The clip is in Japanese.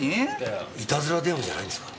イタズラ電話じゃないんですか？